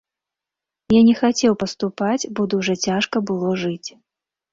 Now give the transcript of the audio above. Я не хацеў паступаць, бо дужа цяжка было жыць.